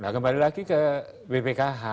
kembali lagi ke bpkh